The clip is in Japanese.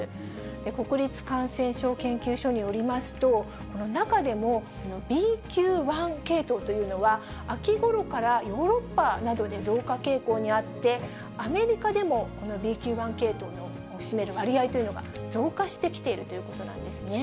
国立感染症研究所によりますと、中でもＢＱ．１系統というのは、秋ごろからヨーロッパなどで増加傾向にあって、アメリカでもこのＢＱ．１系統の占める割合というのが増加してきているということなんですね。